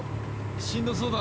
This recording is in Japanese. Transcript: しんどそうだな。